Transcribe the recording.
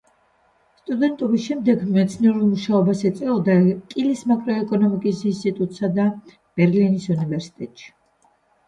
სტუდენტობის შემდეგ მეცნიერულ მუშაობას ეწოდა კილის მაკროეკონომიკის ინსტიტუტსა და ბერლინის უნივერსიტეტში.